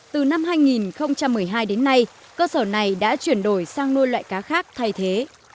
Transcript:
từ năm hai nghìn một mươi hai đến nay cơ sở này đã chuyển đổi sang nuôi loại cá khác thay thế